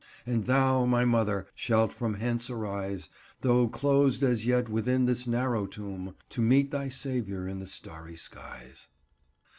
And thou, my Mother, shalt from hence arise, Though closed as yet within this narrow tomb, To meet thy Saviour in the starry skies."